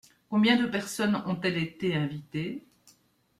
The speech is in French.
Combien de personnes ont-elles été invitées ?